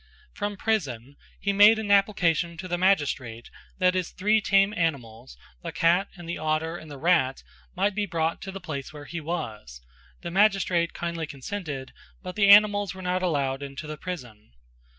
From prison he made an application to the magistrate that his three tame animals, the cat and the otter and the rat might be brought to the place where he was; the magistrate kindly consented but the animals were not allowed into the prison.